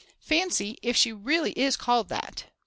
Fancy if she is really called that.